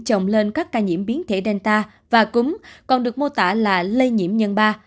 trồng lên các ca nhiễm biến thể delta và cũng còn được mô tả là lây nhiễm nhân ba